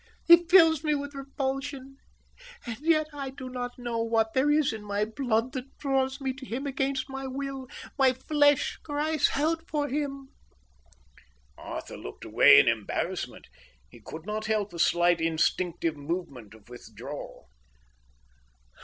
He fills me with repulsion. And yet I do not know what there is in my blood that draws me to him against my will. My flesh cries out for him." Arthur looked away in embarrassment. He could not help a slight, instinctive movement of withdrawal.